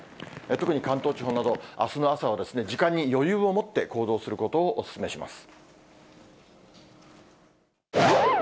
特に関東地方など、あすの朝は時間に余裕を持って行動することをお勧めします。